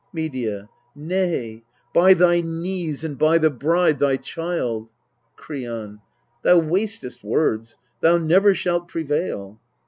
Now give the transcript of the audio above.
Medea. Nay by thy knees, and by the bride, thy child! Kreon. Thou wastest words ; thou never shalt prevail.